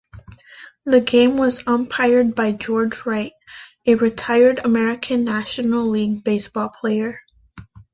The game was umpired by George Wright, a retired American National League baseball player.